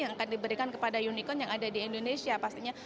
yang akan diberikan kepada unicorn yang ada di indonesia pastinya